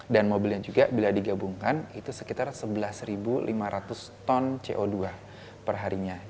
dan mobil yang juga bila digabungkan itu sekitar sebelas lima ratus ton co dua perharinya